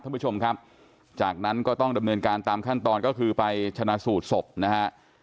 ท่านผู้ชมครับจากนั้นก็ต้องดำเนินการตามขั้นตอนก็คือไปชนะสูตรศพนะฮะ